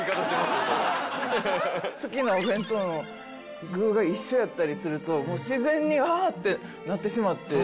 好きなお弁当の具が一緒やったりすると自然に「あっ！」ってなってしまって。